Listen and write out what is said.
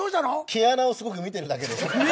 毛穴をすごく見てるだけです。